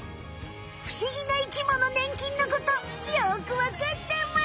ふしぎな生きものねん菌のことよくわかったむ！